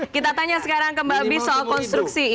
kita tanya sekarang ke mbak bi soal konstruksi